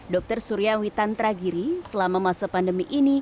dr surya witan tragiri selama masa pandemi ini